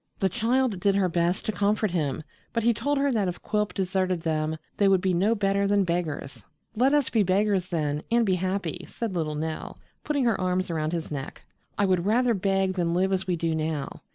The child did her best to comfort him, but he told her that if Quilp deserted them they would be no better than beggars. "Let us be beggars then, and be happy," said little Nell, putting her arms around his neck. "I would rather beg than live as we do now.